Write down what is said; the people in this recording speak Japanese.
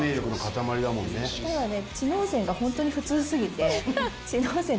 ただね。